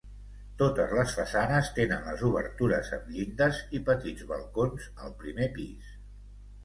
Totes les façanes tenen les obertures amb llindes i petits balcons al primer pis.